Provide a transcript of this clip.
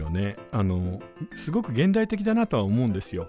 あのすごく現代的だなとは思うんですよ。